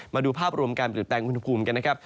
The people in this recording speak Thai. มาดูภาพรวมการติดแต่งอุณหภูมิกันนะครับ